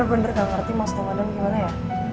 saya benar benar enggak ngerti maksudnya madang gimana ya